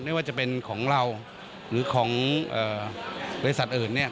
ไม่ว่าจะเป็นของเราหรือของโรยสัตว์อื่น